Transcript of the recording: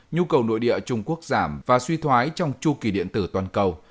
nhu cầu nội địa trung quốc giảm và suy thoái trong chu kỳ điện tử toàn cầu